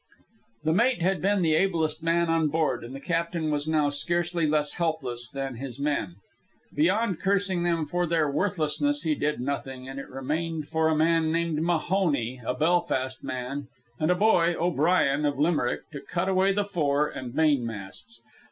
The mate had been the ablest man on board, and the captain was now scarcely less helpless than his men. Beyond cursing them for their worthlessness, he did nothing; and it remained for a man named Mahoney, a Belfast man, and a boy, O'Brien, of Limerick, to cut away the fore and main masts.